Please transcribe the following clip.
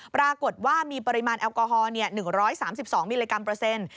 ปรากฏว่ามีปริมาณแอลกอฮอล๑๓๒มิลลิกรัมเปอร์เซ็นต์